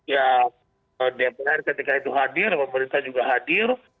ya dpr ketika itu hadir pemerintah juga hadir